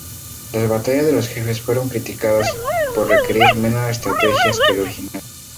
Las batallas de los jefes fueron criticadas por requerir menos estrategia que el original.